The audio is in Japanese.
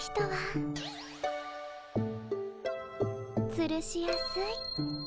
つるしやすい。